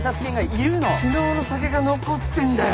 昨日の酒が残ってんだよ。